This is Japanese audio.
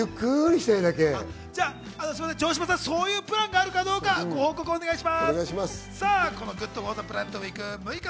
城島さん、そういうプランがあるかどうかご報告お願いします。